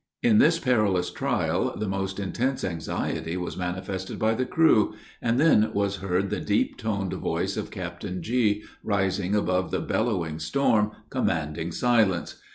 In this perilous trial, the most intense anxiety was manifested by the crew, and then was heard the deep toned voice of Captain G., rising above the bellowing storm, commanding silence.